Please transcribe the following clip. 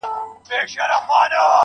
د بدرنگ رهبر نظر کي را ايسار دی~